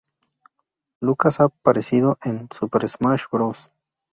Lucas ha aparecido en "Super Smash Bros.